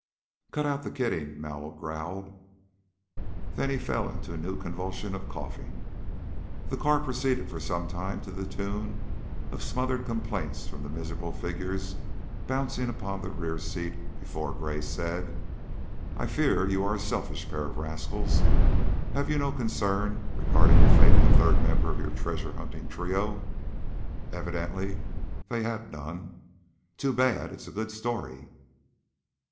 "Cut out the kidding," Mallow growled, then he fell into a new convulsion of coughing. The car proceeded for some time to the tune of smothered complaints from the miserable figures bouncing upon the rear seat before Gray said: "I fear you are a selfish pair of rascals. Have you no concern regarding the fate of the third member of your treasure hunting trio?" Evidently they had none. "Too bad! It's a good story."